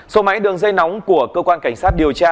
số máy đường dây nóng của cơ quan cảnh sát điều tra